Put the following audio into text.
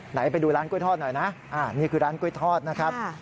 ไปดูร้านกล้วยทอดหน่อยนะนี่คือร้านกล้วยทอดนะครับ